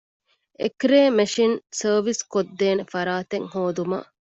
އެކްރޭ މެޝިން ސަރވިސްކޮށްދޭނެ ފަރާތެއް ހޯދުމަށް